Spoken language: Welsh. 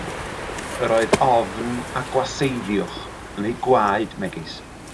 Yr oedd ofn a gwaseiddiwch yn eu gwaed, megis.